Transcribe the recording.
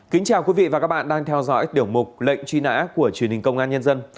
kính chào quý vị và các bạn đang theo dõi tiểu mục lệnh truy nã của truyền hình công an nhân dân